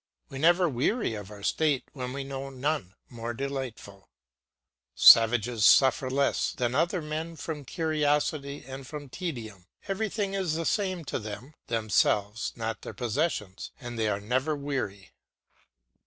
We never weary of our state when we know none more delightful. Savages suffer less than other men from curiosity and from tedium; everything is the same to them themselves, not their possessions and they are never weary.